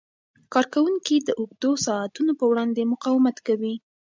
کارکوونکي د اوږدو ساعتونو په وړاندې مقاومت کوي.